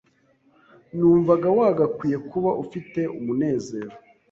Numvaga wagakwiye kuba ufite umunezero